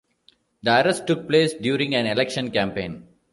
The arrest took place during an election campaign.